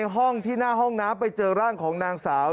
ห้องที่หน้าห้องน้ำไปเจอร่างของนางสาว